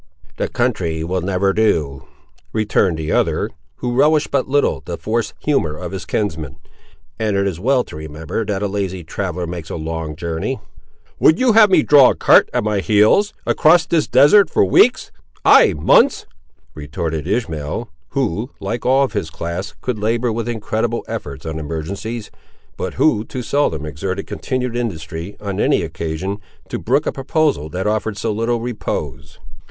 "The country will never do," returned the other, who relished but little the forced humour of his kinsman; "and it is well to remember that a lazy traveller makes a long journey." "Would you have me draw a cart at my heels, across this desert for weeks,—ay, months?" retorted Ishmael, who, like all of his class, could labour with incredible efforts on emergencies, but who too seldom exerted continued industry, on any occasion, to brook a proposal that offered so little repose.